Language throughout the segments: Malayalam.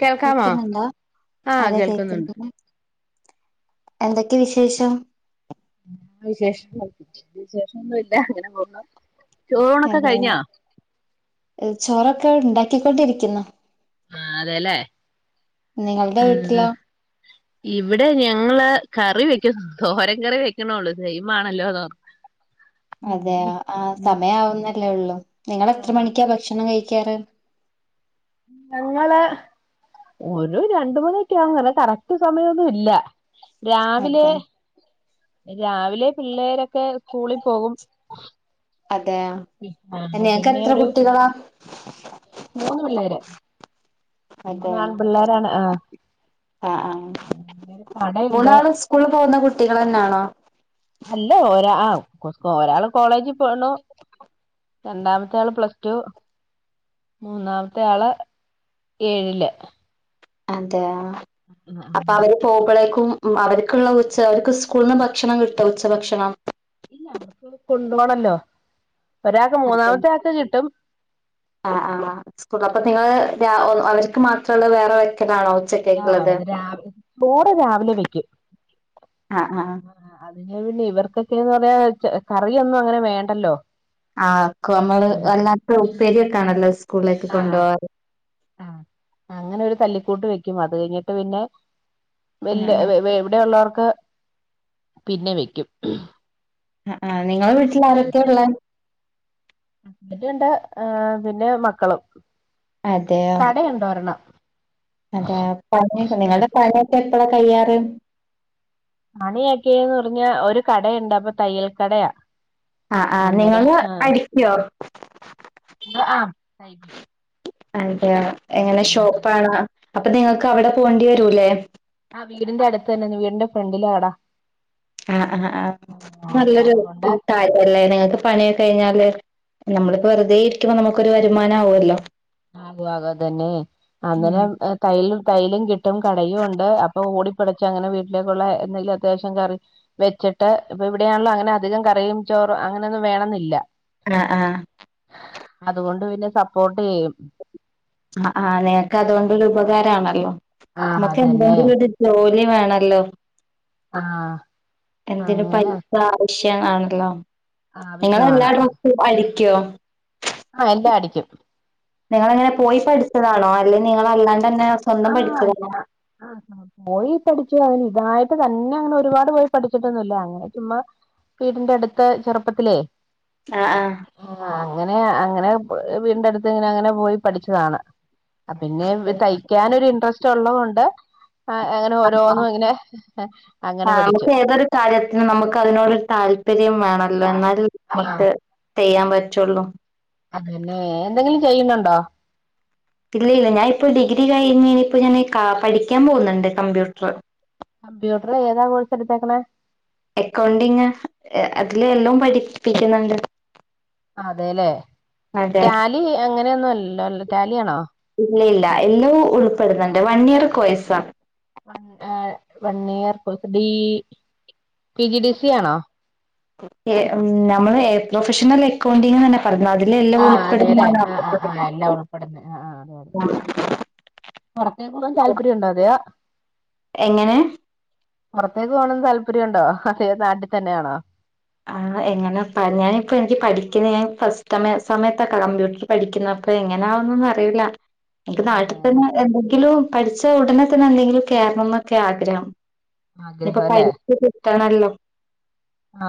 കേൾക്കാമോ കേക്ക്ന്ന്ണ്ടോ ആഹ് അതെ കേൾക്കുന്നുണ്ട് കേക്ക്ന്ന് എന്തൊക്കെ വിശേഷം നല്ല വിശേഷം വിശേഷോന്നുല്ല അങ്ങനെ പോന്നു അതെ ചോറൊക്കെ ക്കെ ണ്ടാക്കിക്കൊണ്ടിരിക്ക്ന്നു. ആ അതേലെ നിങ്ങൾടെ വീട്ടിലോ? ഇവിടെ ഞങ്ങള് കറി വെക്കുന്ന തോരൻ കറി വെക്കണുള്ളു സയിമാണല്ലോ അതെയ ആ സമയവുന്നല്ലേ ഉള്ളു നിങ്ങ എത്ര ആഹ് മണിക്കാ ഭക്ഷണം കഴിക്കാറ് ഞങ്ങള് ഒരു രണ്ടുമണിക്കെ ആകും കറക്റ്റ് സമയൊന്നും ഇല്ല രാവിലെ അതെ രാവിലെ പിള്ളേരൊക്കെ സ്കൂളിൽ പോകും അതെ ആഹ് നിങ്ങക്ക് പിന്നെ എത്ര ഒരു കുട്ടികളാ മൂന്ന് പിള്ളേര് അതെ മൂന്ന് ആൺപിള്ളേരാണ് ആഹ് അ അ കടയുണ്ട് മൂന്നാളും സ്കൂളിൽ പോകുന്ന കുട്ടികൾന്നെയാണോ അല്ല ഒരാ ആ കു ഒരാള് കോളേജിൽ പോണു രണ്ടാമത്തെ ആള് പ്ലസ് ടു മൂന്നാമത്തെ ആള് ഏഴില് അതെ അ അപ്പൊ അവര് പോമ്പോഴേളേക്കും ക്കും അവർക്കുള്ള ഉച്ച അവർക്ക് സ്കൂളിൽന്ന് ഭക്ഷണം കിട്ടും ഉച്ച ഭക്ഷണം ഇല്ല അവർക്ക് കൊണ്ടു പോണല്ലോ അതെ ആ ആ സ്കൂൾ അപ്പൊ നിങ്ങള് അവർക്ക് മാത്രമുള്ള വേറെ വെക്കലാണോ ആ ഉച്ചക്കേക്കുള്ളത് [unintelligible] ചോറ് രാവിലെ വെക്കും ആഹ് ആഹ് [unintelligible] ഇവർക്കൊക്കെന്ന് പറന്നാൽ കറിയൊന്നും അങ്ങനെ വേണ്ടല്ലോ ആക്ക നമ്മള് വല്ലാ ഉപ്പേരിക്കാണല്ലോ സ് സ്കൂളേക്ക് കൊണ്ടോവാർ ആ അങ്ങനെ ഒരു തല്ലിക്കൂട്ട് വെക്കും അത് കഴിഞ്ഞിട്ട് പിന്നെ വല് ആഹ് [unintelligible] ഇവിടെയള്ളവർ ക്കെ പിന്നെ വെക്കും അ ആ നിങ്ങളെ വീട്ടിൽ ആരൊക്കെഉള്ള അവരുണ്ട് പിന്നെ മക്കളും. അതെയോ കടയുണ്ടോ ഒരെണ്ണം അതെ പഴ [unintelligible] ഉം നിങ്ങളുടെ പണി ക്കെ എപ്പഴ കയ്യാറ് പണിയൊക്കെന്ന് പറഞ്ഞാ ഒരു കടയുണ്ട് അപ്പൊ തയ്യൽ കടയാ ആ ആഹ അന്നേരം നിങ്ങള് അടിക്കോ? ആ ആ ആ എങ്ങനെ ഷോപ്പ് ആണ അപ്പൊ നിങ്ങൾക്ക് അവിടെ പോവേണ്ടി വരൂല്ലേ ആ വീടിൻന്റെ അടുത്ത് തന്നെ വീടിന്റെ ഫ്രണ്ടിലാടാ ആ ആ അപ്പൊ നല്ലൊരു അതുകൊണ്ട് കാര്യല്ലേ നിങ്ങക്ക് പണിയൊക്കെ കഴിഞ്ഞാല് നമ്മളിപ്പോ വെറുതെ ഇരിക്കുമ്പോ നമുക്കൊരു വരുമാനം ആവുല്ലോ ആകോ ആകോ അതന്നെ അങ്ങനെ തയ്യലും - തൈലും കിട്ടും കടയും ഉണ്ട് അപ്പൊ ഓടിപ്പടച്ച് അങ്ങനെ വീട്ടിലേക്കുള്ള എന്തെങ്കിലും അത്യാവശം കറി വെച്ചിട്ട് ഇപ്പൊ ഇവിടെയാണല്ലോ അങ്ങനെ അധികം കറിയും ചോറും അങ്ങനെയൊന്നും വേണന്നില്ല ആഹ് ആഹ് അതുകൊണ്ട് പിന്നെ സപ്പോർട്ട് ചെയ്യും. ആഹ് ആഹ് നിനക്ക് അതു കൊണ്ടൊരു ഉപകാരണ ആ മക്ക് അതന്നെ എന്തോണ്ട് വ്ടെര് ജോ ഇനി വേണല്ലോ ആ എന്തിനും അങ്ങനെ പൈസ ആവശ്യ [unintelligible] നിങ്ങള് എല്ലാ ആവശ്യമാണ് ഡ്രെസ്സും അടി ക്ക്യോ ആഹ് എല്ലാ അടിക്കും. നിങ്ങളെങ്ങനെ പോയി പഠിച്ചതാണോ ല്ല നിങ്ങളല്ല ആഹ് അല്ല ആ പോയി പഠിച്ചു അന് ഇതായിട്ട് തന്നെ അങ്ങനെ ഒരുപാട് പോയി പഠിച്ചിട്ടൊന്നുല്ല അങ്ങനെ ചുമ്മാ വീടിന്റെ അടുത്ത് ചെറുപ്പത്തിലേ ആഹ് ആഹ് ആഹ് അങ്ങനെ അങ്ങനെ വീടിന്റെ അടുത്ത് ഇങ്ങനെ അങ്ങനെ പോയി പഠിച്ചതാണ്. അ പിന്നെ വിതൈ ഇൻട്രസ്റ്റ് ഉള്ളതൊണ്ട് അങ്ങനെ ആ പഠിച്ചു നമുക്ക് ഏതൊരു കാര്യത്തിനും നമുക്ക് അതിനോടൊരു താല്പര്യം വേ ല്ല ആഹ് എന്നാലുംമ്മക്ക് ചെയ്യാൻ പറ്റുള്ളൂ. അതന്നെ എന്തെങ്കിലും ചെയ്യണണ്ടോ? ഇല്ല ഇല്ല ഞാ ഇപ്പോ ഡിഗ്രി കഴിഞ്ഞ് ഇനിപ്പോ ഞാൻ പഠിക്കാൻ പോകുന്നുണ്ട് കമ്പ്യൂട്ടറ്. കംമ്പ്യൂട്ടർ ഏതാ കോഴസ് എടുത്തക്കണെ? അക്കൗണ്ടിങ് അതില എല്ലാം പഠിപ്പിക്കുന്നുണ്ട്. ആ അതെല്ലേ. അതെ ടാലി അങ്ങനെയൊന്നും അല്ലല്ലോ അല്ല ടാലിയാണോ ഇല്ല ഇല്ല എല്ലവും ഉൾപ്പെടുന്നുണ്ട്. വൺ ഇയർ കോയസ വൺ വൺ ഇയർ കോ D P G D C ആണോ? നമ്മള് പ്രൊഫഷണൽ അക്കൗണ്ടിംഗന്നെ ആഹ് അതെല്ലെ ആ ആ ആ എല്ലാം ഉൾപ്പെടുന്ന ആ ആ അതെ അതെ പുറത്തേക്കൊവാൻ താല്പര്യം ഉണ്ടോ അതെയാ എങ്ങനെ പുറത്തേക്ക് പോകണംന്ന് താല്പര്യംണ്ടോ അതെ നാട്ടിൽ തന്നെയാണോ? ആ എങ്ങനെ ഞാനിപ്പോ എനിക്ക് പഠിക്കുന്ന ഞാൻ ഫസ്റ്റ് സമ സമയത്ത കമ്പ്യൂട്ടർ പഠിക്കുന്ന അപ്പൊ എങ്ങന ആവുന്നോന്നും അറിയൂല്ല. എനിക്ക് നാട്ടി ഏഹ് തന്നെ എന്തെങ്കിലും പഠിച്ച ഉടനെ തന്നെ എന്തെങ്കിലും കേറണോന്നൊക്കെയ ആഗ്രഹം. ഇപ്പൊ ആഗ്രഹം പഠിപ്പ് തണല് ലു ആ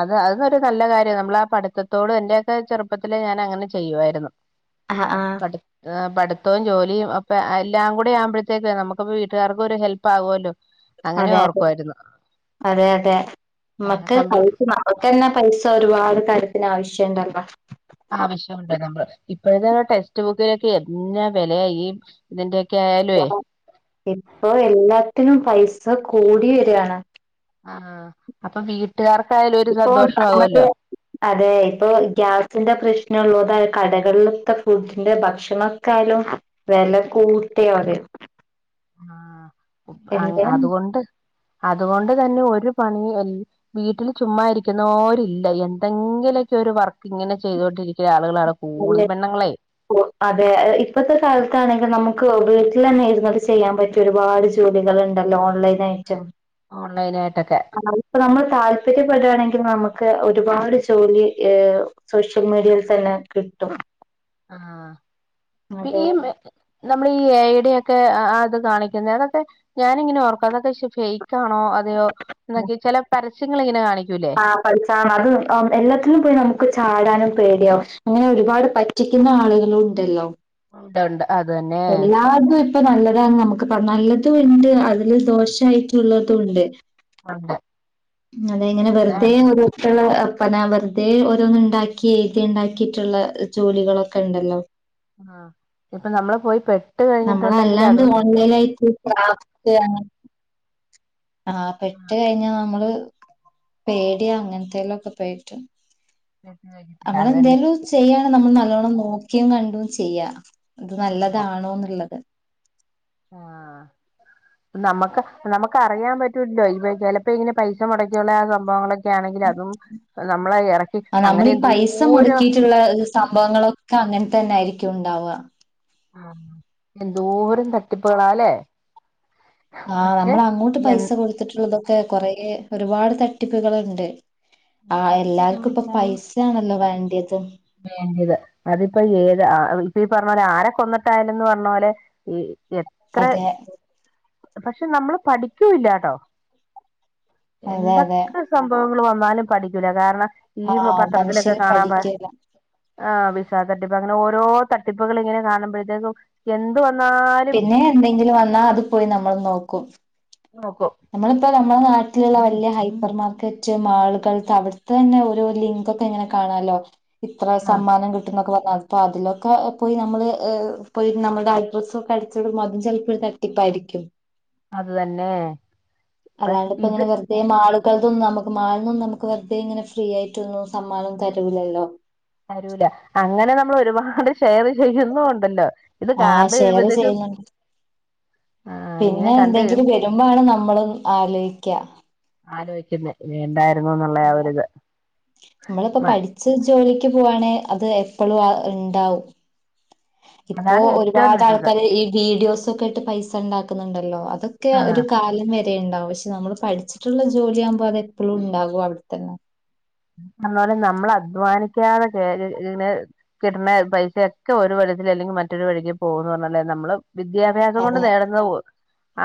അത് അതോരു നല്ല കാര്യാ നമ്മൾ പഠിത്തത്തോട് എന്റെയോക്കെ ചെറുപ്പത്തില് ഞാൻ അങ്ങനെ ചെയ്യുവായിരുന്നു ആ ആ പട്ത്താ പട്‌ത്തവും ജോലിയും ഒക്കെ എല്ലാം കൂടെ ആവുമ്പോഴത്തേക്ക് നമുകും വീട്ടുകാർകോരു ഹെൽപ് ആകുല്ലോ അതെതെ അതെ അതെ ആഹ് മ്മക്ക് കമ്പ്യൂട്ടർ പൈസ നമുക്കന്നെ പൈസ ഒരുപാട് ൽത്തി ആവശ്യണ്ടല്ലോ ആവശ്യമുണ്ട് നമ്മൾ ഇപ്പോഴത്തെ ടെക്സ്റ്റ് ബുക്കിലൊക്കെ എന്നാ വേലയാ ഈ ഇതിന്റെ ഇപ്പൊ എല്ലാത്തിനും പൈസ കൂടി വരാണ് ആ അപ്പൊ വീ ഇപ്പോ [unintelligible] ന അതെ ഇപ്പോ ഗ്യാസിന്റെ പ്രശ്ന ള്ളോടായ കടകളിലത്തെ ഫ്രൂട്സിന്റെ ഭക്ഷണക്കാലും വെല കൂട്ടിയ അ [unintelligible] ത ആ അൻ അതുകൊണ്ട് അതുകൊണ്ട് തന്നെ ഒരു പണി വീട്ടില് ചുമ്മാ ഇരിക്കുന്നോരില്ല എന്തെങ്കിലോക്കെ ഒരു വർക്ക് ഇങ്ങനെ ചെയ്തൊണ്ടിരിക്യാ ആൾ ആ കൂടുതൽ പെണ്ണ്ങ്ങളെ ഓ അതെ ഇപ്പത്തെ കാലത്താണെങ്കി നമുക്ക് വീട്ടിലെന്നെ ഇർന്ന് ചെയ്യാൻ പറ്റിയ ഒരുപാട് ജോലികൾ ഇണ്ടല്ലോ ഓൺലൈനായിട്ടും ഓൺലൈനായിട്ടൊക്കെ ആ ഇപ്പം നമ്മള് താല്പര്യപ്പെടാ ണെങ്കി നമക്ക് ഒരുപാട് ജോലി ഹ് സോഷ്യൽ മീഡിയയിൽ തന്നെ കിട്ടും. ആ അതെ ഈ നമ്മള് ഈ ഏയെടി ക്കെ ആ ഇത് കാണിക്ന്നെ അതൊക്കെ ഞാനിങ്ങനെ ഓർകൊ അതൊക്കെ ഫൈക്ക് ആണോ അതെയോ ചെല പരസ്യങ്ങള് ഇങ്ങനെ കാണി ആ പൈസ അത് എല്ലത്തിലും പോയി നമുക്ക് ചാടാനും പേട്യവും അങ്ങനെ ഒരുപാട് പറ്റിക്കുന്ന ആള്കളും ഉണ്ടല്ലോ ഉണ്ട് ഉണ്ട് അത് തന്നെ എല്ലാര്തും ഒര് ഇപ്പ നല്ലതാന്ന് നമ്മുക്ക് പറ നല്ലതും ഇണ്ട് അതില് ദോഷായിട്ട് ഇള്ളതും ഇണ്ട് ഉണ്ട് അതെ ഇങ്ങനെ വെറ്തെ അതാണ് ഒരു [unintelligible] വെറുതെ ഓരോന്ന് ഇണ്ടാക്കി എയ്തി ഉണ്ടാക്കിയിട്ടുള്ള ജോലികളൊക്കെ ഇണ്ടല്ലോ ആ ഇപ്പ നമ്മള് പോയി പെ നമ്മളല്ലാണ്ട് ഓൺലൈനായിട്ട് [unintelligible] ആ പെട്ട് ആഹ് കഴിഞ്ഞാ നമ്മള് പേടിയാ അങ്ങനത്തേലൊക്കെ പോയിറ്റ് പെട്ട് കഴിഞ്ഞിട്ടുണ്ട് അമ്മള് അത് തന്നെ എന്തേലും ചെയ്യാണ് നമ്മൾ നല്ലോണ്ണം നോക്കി ക്കിം കണ്ടും ചെയ്യാ അത് ചെയ്യണം നല്ലതാണോന്ന് അതെ ആഹ് നമ്മക്ക് നമ്മക്ക് അറിയാൻ പറ്റൂലല്ലോ ഇപ്പൊ ചിലപ്പോ ഇങ്ങനെ പൈസ മുടക്കിയുള്ള ആ സംഭവങ്ങളൊക്കെ ആണെങ്കിൽ അതും നമ്മളെ ഇറക്കി ആഹ് അങ്ങനെ നമ്മളീ പൈസ എന്തോരം മുടക്കിയിട്ടുള്ള സംഭവങ്ങളൊക്കെ അങ്ങനെ തന്നെ ആയിരിക്കും ഉണ്ടാവാ ആഹ് എന്തോരം തട്ടിപ്പുകളാല്ലേ? ആഹ് പക്ഷെ നമ്മൾ അങ്ങോട്ട് പൈസ കൊടുത്തിട്ടുള്ളതൊക് ക്കെ കൊറെ ഒരുപാട് തട്ടിപ്പുകളുണ്ട്. ആഹ് എന്തൊക്കെ എല്ലാർക്കും ഇപ്പൊ കാണിച്ചാലും പൈസയാണല്ലോ വേണ്ടിയത് വേണ്ടിയത് അതിപ്പോ ഏത് ആഹ് ഇപ്പ ഈ പറഞ്ഞ പോലെ ആരെ കൊന്നിട്ടായാലെന്ന് പറഞ്ഞ പോലെ ഈ എത്ര അതെ പക്ഷെ നമ്മള് പഠിക്കൂല്ലാട്ടോ അതെ അതെ എന്തൊക്കെ സംഭവം ങ്ങള് വന്നാലും പഠിക്കൂല്ല കാരണം ആ ഈ പത്രത്തിലൊക്കെ മനുഷ്യര് കാണാൻ പഠിക്കില്ല ആ വിസാ തട്ടിപ്പ് അങ്ങനെ ഓരോ തട്ടിപ്പുകളിങ്ങനെ കാണുമ്പോഴത്തേക്കും എന്ത് വ പിന്നെ എന്തെങ്കിലു വന്നാ അത് പോയി നമ്മള് നോക്കും നോക്കും നമ്മളിപ്പോ നമ്മളെ നാ ട്ടിലുള്ള വല്ല്യ ഹൈപ്പർ മാർക്കറ്റ് മാളുകൾ അവിടുത്തെന്നെ ഒരോ ലിങ്കൊക്കെങ്ങനെ കാണലോ ഇത്രെ ആ സമ്മാനം കിട്ടുന്നക്കെ പറ അപ്പൊ അതിലൊക്കെ പോയി നമ്മള് ഏ പോയി നമ്മുടെ അഡ്രസ്സൊക്കെ അടിച്ചടുമ്പോ അതും ചെൽപ്പൊരു തട്ടിപ്പായിരിക്കും. അത് തന്നെ ഇപ്പ ഇത് അതാണിപ്പൊങ്ങനെ വെറുതെ മാള് പ്പൊതും നമുക്ക് മാള്ന്നും നമുക്ക് വെറുതെ ഇങ്ങനെ ഫ്രീയായിട്ടൊന്നും സമ്മാനം തരൂലല്ലോ? തരൂല അങ്ങനെ നമ്മള് ഒരുപാട് ഷെയറ് ചെയ്യുന്നു ഒണ്ടല്ലോ. ആ ഷെയറ് ചെയ്യുന്നു ആ ഇങ്ങനെ പിന്നെ കണ്ട് എന്തെങ്കിലും വരുമ്പൊ ആണ് നമ്മളും ആലോയ് - ക്യ ആലോയിക്കുന്നേ വേണ്ടാ അത് നമ്മളിപ്പോ പഠിച്ച് ജോലി ത്ത് പോവാണേ അത് എപ്പളും അഹ്‌ണ്ടാവും ഇപ്പൊ അതാണ് ഏറ്റവും ഒരുപാട് നല്ലത് ആൾക്കാര് ഈ വീഡിയോസ് തൊക്കെ ആയിട്ട് പൈസണ്ടാക്കുന്നുണ്ടല്ലോ അ അതൊക്കെ ആ ഒരു കാലം വെ ഉണ്ടാവും പക്ഷെ നമ്മള് പഠിച്ച്ട്ട്ള്ള ജോലിയാവ്മ്പോ അത എപ്പളും ഉണ്ടാകും അവിട്ത്തന്നെ പറഞ്ഞ നമ്മൾ അധ്വാനിക്കാതെ കേ ഇങ്ങനെ കിട്ടണ പൈസയൊക്കെ ഒരു [unintelligible] അല്ലെങ്കിൽ മറ്റൊരു വഴിക്ക് പോന്ന് പറഞ്ഞ പോലെ നമ്മള് വിദ്യാഭ്യാസം കൊണ്ട് അതെ നേടന്ന [unintelligible]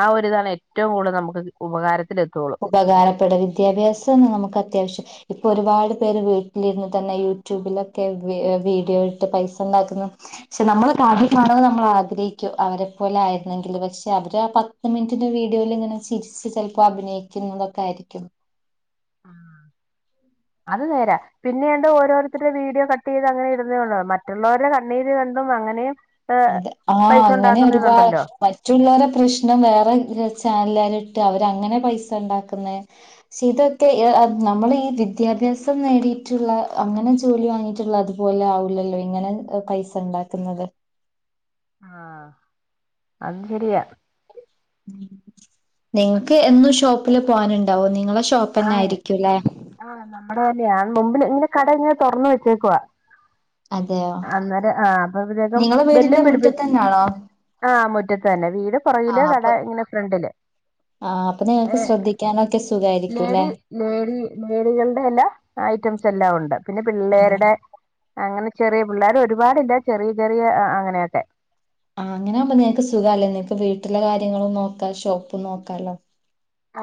ആ ഒരിതാണ് ഏറ്റവും കൂടുതൽ നമുക്ക് ഉപകാര ഉപകാരപ്പെട വിദ്യാഭ്യാസംന്ന് നമുക്ക് അത്യാവശ്യ ഇപ്പൊ ഒരുപാട് പേര് വീട്ടിലിരുന്നിട്ടെന്നെ യൂ ട്യുബിലൊക്കെ വീ വീഡിയോ ഇട്ട് പൈസ ഉണ്ടാക്കുന്നു ക്ഷെ [unintelligible] നമ്മള് ആഗ്രഹിക്കും അവരെ പോലെ ആയിരുന്നെങ്കിൽ പക്ഷെ അവര് ആ പത്ത് മിനിറ്റിന്റെ വീഡിയോയിൽ ഇങ്ങനെ ചിരിച്ച് ചെലപ്പൊ അഭിനയി ക്കുന്നൊക്കെ ആയിരിക്കും ആ അത് നേരാ പിന്നെയണ്ട് ഓരോരുത്തരുടെ വീഡിയോ കട്ട് ചെയ്ത് അങ്ങനെ ഇടുന്നണ്ട മറ്റുള്ളവരെ കണ്ണിര് കണ്ടും അങ്ങനെയും ഏഹ് അതെ ആ പൈസ അങ്ങനെ ഒരുപാ ഉണ്ടാക്കുന്നതുണ്ടല്ലോ മറ്റുള്ളവരെ പ്രശ്നം വേറെ [unintelligible] [unintelligible] അവരങ്ങനെ പൈസ ഇണ്ടാക്കുന്ന പക്ഷെ ഇതൊക്കെ നമ്മൾ ഈ വിദ്യാഭ്യാസം നേടിയിട്ടുള്ള അങ്ങനെ ജോലി വാങ്ങിയിട്ടുള്ള അതുപോലെ ആവില്ലല്ലോ ഇങ്ങനെ പൈസ ഉണ്ടാക്കുന്നത് ആഹ് അത് ശരിയാ നിങ്ങൾക്ക് എന്നും ഷോപ്പില് പോകാനുണ്ടാവോ നിങ്ങളെ ഷോപ്പന്നെ ആയിരിക്കുംല്ലേ? നമ്മെടെയന്നാ മുമ്പില് ഇങ്ങനെ കട ഇങ്ങനെ തുറന്ന് വെച്ചേക്കുവാ. അതെയോ അന്നേരം ആ അപ്പൊ ഇത്തേക്കും നിങ്ങളെ വല്ലും വീടിന്റെ പിടിപ്പി മുറ്റത്തന്നാണോ ആ മുറ്റത്ത് തന്നെ വീട് പുറകില് ആഹ് കട അപ്പൊ ഇങ്ങനെ ഫ്രണ്ടില് ആഹ് അപ്പൊ ഏ നിങ്ങൾക്ക് ശ്രദ്ധിക്കാനൊക്കെ സുഖായിരിക്കുംല്ലേ ലേഡി ലേഡി ലേഡികൾടെ എല്ലാ ഐറ്റംസ് എല്ലാം ഉണ്ട്. പിന്നെ അതെ പിള്ളേര്ടെ അങ്ങനെ ചെറിയ പിള്ളേർ ഒരുപാട്ണ്ട് ചെറിയ ചെറിയ അങ്ങനെയൊക്കെ. ആ അങ്ങനെകുമ്പോ നിനക്ക് സുഖ അല്ലേ നിനക്ക് വീട്ടിലെ കാര്യങ്ങളും നോക്കാ ഷോപ്പും നോക്കാല്ലോ.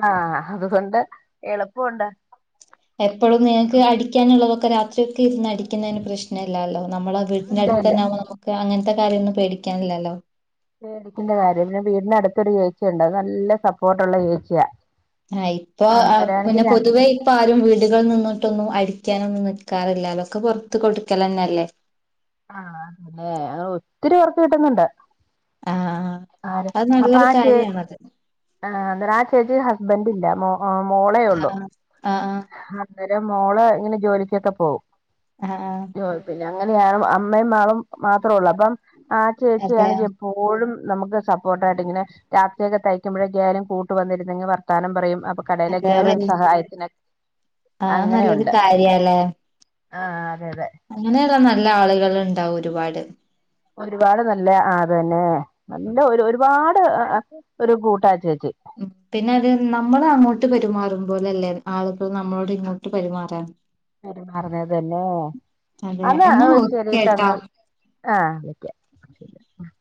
ആ അതുകൊണ്ട് എളുപ്പഉണ്ട്. എപ്പോഴും നിങ്ങക്ക് അടിക്കാനുള്ളതൊ ക്കെ രാത്രി ടിക്കുന്നതിന് പ്രശ്നംല്ലല്ലോ നമ്മള വീടിന ഇല്ല അടുത്ത് ഇല്ല തന്നെകുമോ നമക്ക് അങ്ങനത്തെ കാര്യംന്നും പേടിക്കാനില്ലല്ലോ പേടിക്കണ്ട കാര്യം പിന്നെ വീടിനടുത്തൊരു ചേച്ചിണ്ട് അത് നല്ല സപ്പോർട്ടുള്ള ചേച്ചിയ ആ ഇപ്പൊ പിന്നെ പൊതുവേ ഇപ്പ ആരും വീടുകളിൽ നിന്നിട്ടൊന്നും അ കിനൊന്നും നിക്കാറില്ല അതൊക്കെ പുറത്ത് കൊടുക്കലന്നെ അല്ലേ ആ അതല്ലെ അ ഒത്തിരി വർക്ക് കിട്ടുന്നുണ്ട് ആ ആര് അത് അപ്പൊ നല്ലൊരു ചേ കാര്യണത് ആ ആ ചേച്ചി ഹസ്ബൻഡ് ഇല്ല മോ ആ മോളേ ആ ഉള്ളു ആ ആ അന്നേര മോള നെ ജോലിച്ചൊക്കെ പോവും ആഹാ അങ്ങനെയാണ് അമ്മയും മാളും മാത്രമേ ഉള്ളൂ അപ്പം ആ ചേച്ചി അതെ ആണെങ്കിൽ എപ്പോഴും നമുക്ക് സപ്പോർട്ടായിട്ട് ഇങ്ങനെ രാത്രിക്കെ തയ്ക്കുമ്പോഴേകായാലും കൂട്ട് വന്നിരുന്നെങ് വർത്താനം പറയും- ഇപ്പ കടയിലൊക്ക ആയ്ലും സഹായത്തിനെ ആഹ നല്ലൊരു കാര്യല്ലേ ആഹ് അ അങ്ങനെയല്ല ന നല്ല ആളുകൾ ഉണ്ടാവും ഒരുപാട് ഒരുപാട് നല്ല ആ അത് തന്നെ നല്ല ഒരു ഒരുപാട് ഒരു കൂട്ടാ ചേച്ച്- ഉ പിന്നെ അത് നമ്മൾ അങ്ങോട്ട് പെരുമാ റുംപോലല്ലേ ആളുകൾ നമ്മളോട് ഇങ്ങോട്ട് പരുമാറാൻ- പെരുമാറഞ്ഞത് തന്നെ അതെ എന്നാ ശരിട്ട ഓക്കെട്ടോ എന്നാൽ ആഹ വിളിക്ക [unintelligible]